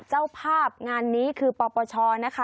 เจ้าภาพงานนี้คือปปชนะคะ